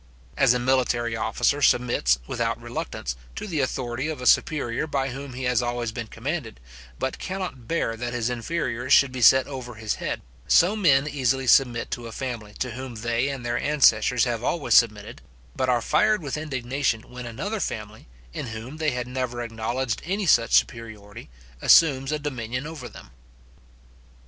As a military officer submits, without reluctance, to the authority of a superior by whom he has always been commanded, but cannot bear that his inferior should be set over his head; so men easily submit to a family to whom they and their ancestors have always submitted; but are fired with indignation when another family, in whom they had never acknowledged any such superiority, assumes a dominion over them.